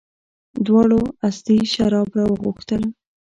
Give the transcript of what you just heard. دواړو استي شراب راوغوښتل.